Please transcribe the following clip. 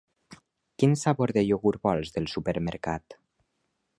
Quin sabor de iogurt vols del supermercat?